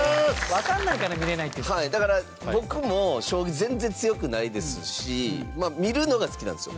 だから、僕も将棋、全然強くないですし見るのが好きなんですよ。